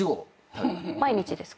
毎日ですか？